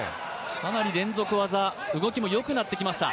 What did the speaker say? かなり連続技、動きもよくなってきました。